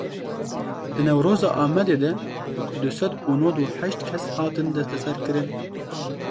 Di Newroza Amedê de du sed û nod û heşt kes hatin desteserkirin.